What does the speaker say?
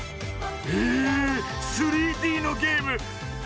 え３Ｄのゲーム！